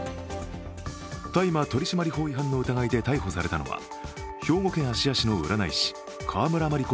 大麻取締法違反の疑いで逮捕されたのは兵庫県芦屋市の占い師川村麻理子